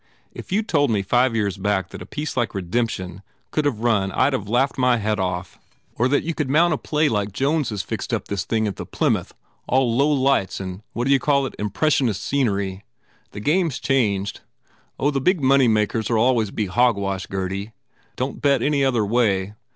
If you d told me five years back that a piece like Re demption could have a run I d have laughed my head off. Or that you could mount a play like Jones has fixed up this thing at the Plymouth all low lights and what d you call it ? impressionist scenery. ... The game s changed. Oh, the big money makers ll always be hogwash, Gurdy! Don t bet any other way.